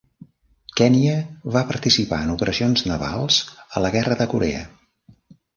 "Kenya" va participar en operacions navals a la Guerra de Corea.